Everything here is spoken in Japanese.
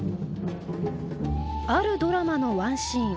あるドラマの１シーン。